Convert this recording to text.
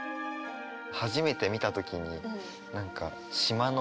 初めて見た時に何かうんうん。